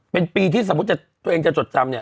เป็นปีที่สมมุติตัวเองจะจดจำเนี่ย